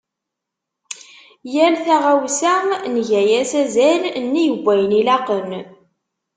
Yal taɣawsa nga-as azal nnig wayen ilaqen.